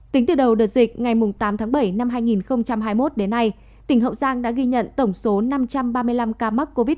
tính từ đầu đợt dịch ngày tám tháng bảy năm hai nghìn hai mươi một đến nay tỉnh hậu giang đã ghi nhận tổng số năm trăm ba mươi năm ca mắc covid một mươi chín